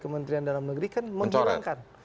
kementerian dalam negeri kan menghilangkan